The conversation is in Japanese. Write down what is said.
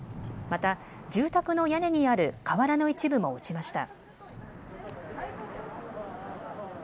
また、住宅の屋根にある瓦の一部も落ちました。